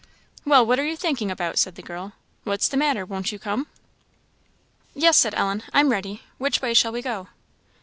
"Well, what are you thinking about?" said the girl; "what's the matter? won't you come?" "Yes," said Ellen, "I'm ready. Which way shall we go?"